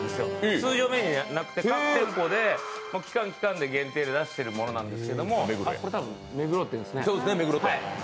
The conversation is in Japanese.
通常メニューじゃなくて各店舗で期間限定で出しているものなんですけど、これは目黒店ですね。